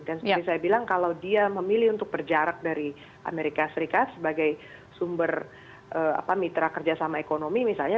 dan seperti saya bilang kalau dia memilih untuk berjarak dari amerika serikat sebagai sumber mitra kerjasama ekonomi misalnya